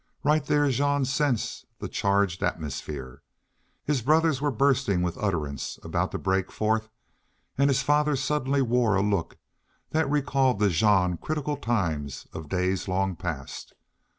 Right there Jean sensed the charged atmosphere. His brothers were bursting with utterance about to break forth, and his father suddenly wore a look that recalled to Jean critical times of days long past.